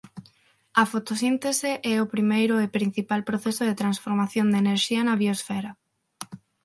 A fotosíntese é o primeiro e principal proceso de transformación de enerxía na biosfera.